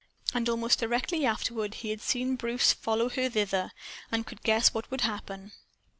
And almost directly afterward he had seen Bruce follow her thither. And he could guess what would happen.